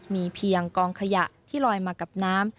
มีเพียงกองขยะที่ลอยมากับน้ำ